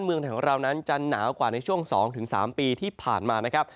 เมืองในของเรานั้นจะหนาวกว่าในช่วง๒ถึง๓ปีที่ผ่านมา